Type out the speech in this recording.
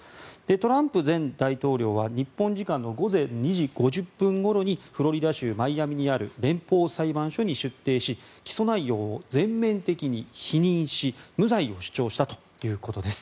トランプ前大統領は日本時間の午前２時５０分ごろにフロリダ州マイアミにある連邦裁判所に出廷し起訴内容を全面的に否認し無罪を主張したということです。